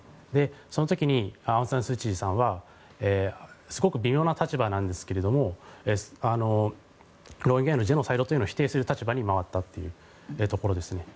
その時にアウンサンスーチーさんはすごく微妙な立場なんですがロヒンギャへのジェノサイドを否定する立場に回ったというところですね。